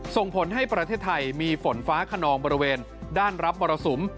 ส่งผลให้ประเทศไทยมีฝนฟ้าขนองบริเวณด้านรับมรสุม